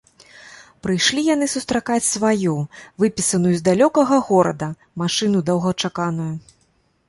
Прыйшлі яны сустракаць сваю, выпісаную з далёкага горада, машыну доўгачаканую.